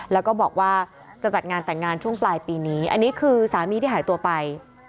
แล้วก็บอกว่าจะจัดงานแต่งงานช่วงปลายปีนี้อันนี้คือสามีที่หายตัวไป